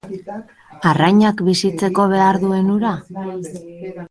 Arrainak bizitzeko behar duen ura?